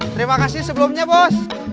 terima kasih sebelumnya bos